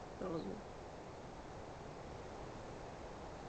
Nehodí se při zánětech žaludku.